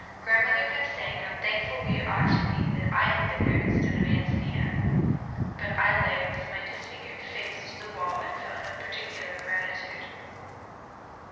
Grandmother kept saying how thankful we ought to be that I had been there instead of Ántonia. But I lay with my disfigured face to the wall and felt no particular gratitude.